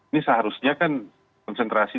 ini seharusnya kan konsentrasi